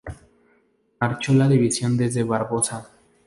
Marchó la división desde Barbosa.